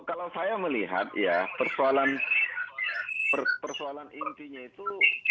kalau saya melihat ya persoalan intinya itu